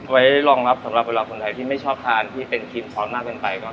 ไว้รองรับสำหรับเวลาคนไทยที่ไม่ชอบทานที่เป็นครีมเขามากเกินไปก่อน